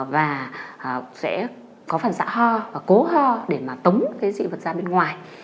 và sẽ có phản xạ ho và cố ho để mà tống cái dị vật ra bên ngoài